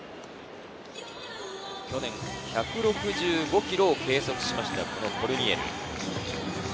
去年、１６５キロを計測したコルニエル。